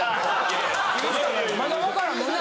まだ分からんもんな。